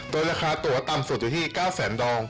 โดยราคาตัวต่ำสุดอยู่ที่๙แสนดอง